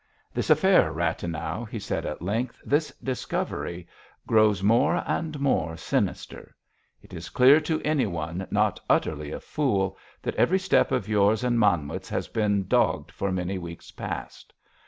"This affair, Rathenau," he said at length, "this discovery grows more and more sinister. It is clear to anyone not utterly a fool that every step of yours and Manwitz has been dogged for many weeks past.